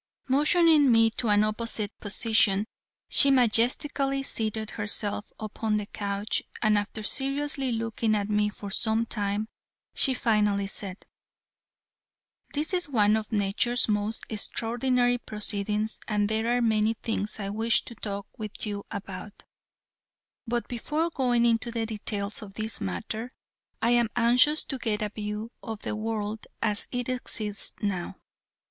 Motioning me to an opposite position she majestically seated herself upon the couch and after seriously looking at me for some time she finally said: "This is one of nature's most extraordinary proceedings and there are many things I wish to talk with you about, but before going into the details of this matter I am anxious to get a view of the world as it exists now.